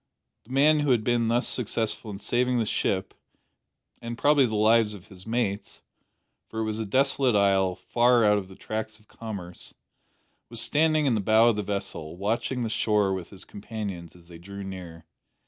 The man who had been thus successful in saving the ship, and probably the lives of his mates for it was a desolate isle, far out of the tracks of commerce was standing in the bow of the vessel, watching the shore with his companions as they drew near.